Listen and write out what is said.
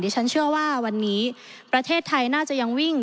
ฉันเชื่อว่าวันนี้ประเทศไทยน่าจะยังวิ่ง